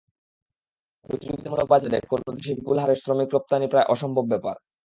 প্রতিযোগিতামূলক বাজারে কোনো দেশে বিপুল হারে শ্রমিক রপ্তানি প্রায় অসম্ভব ব্যাপার।